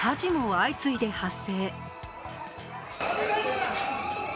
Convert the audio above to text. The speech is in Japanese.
火事も相次いで発生。